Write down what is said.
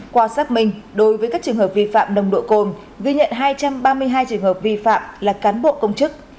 qua xác minh đối với các trường hợp vi phạm nồng độ cồn ghi nhận hai trăm ba mươi hai trường hợp vi phạm là cán bộ công chức